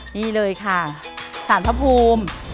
นี่เลยค่ะสารพระภูมิ